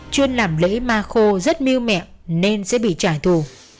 chuyên làm lễ ma khô rất mưu mẹo nên sẽ bị trải thù